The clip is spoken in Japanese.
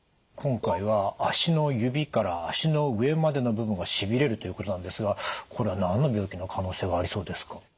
今回は足の指から足の上までの部分がしびれるということなんですがこれは何の病気の可能性がありそうですか？